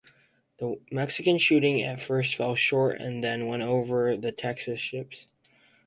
The Mexican shooting at first fell short and then went over the Texas ships.